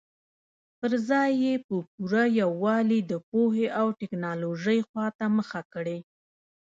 پر ځای یې په پوره یووالي د پوهې او ټکنالوژۍ خواته مخه کړې.